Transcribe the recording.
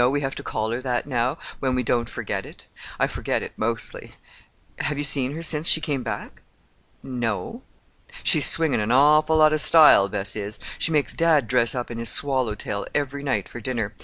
We have to call her that now, when we don't forget it. I forget it, mostly. Have you seen her since she came back?" "No." "She's swingin' an awful lot of style—Bess is. She makes dad dress up in his swallow tail every night for dinner.